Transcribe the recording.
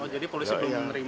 jadi polisi belum menerima